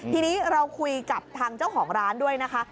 ทีนี้เราคุยกับทางเจ้าของร้านด้วยนะคะ